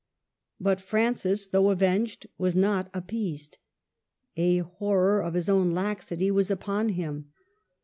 But Francis, though avenged, was not appeased. A horror of his own laxity was upon him.